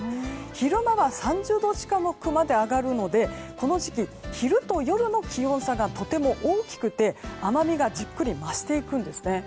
昼間は３０度近くまで上がるのでこの時期、昼と夜の気温差がとても大きくて甘味がじっくり増していくんですね。